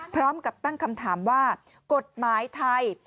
พร้อมกับตั้งคำถามว่ากฎหมายไทย